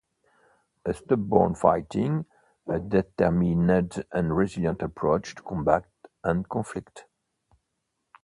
A stubborn fighting - a determined and resilient approach to combat or conflict.